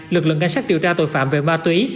lực lượng ngay sát điều tra tội phạm về ma túy